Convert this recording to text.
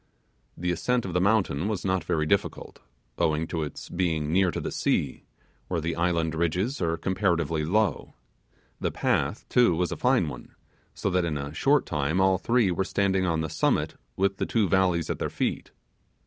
The ascent of the mountain was not very difficult, owing to its being near to the sea, where the island ridges are comparatively low; the path, too, was a fine one, so that in a short time all three were standing on the summit with the two valleys at their feet.